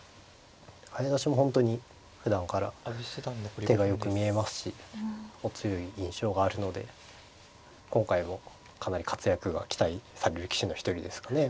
早指しも本当にふだんから手がよく見えますしお強い印象があるので今回もかなり活躍が期待される棋士の一人ですかね。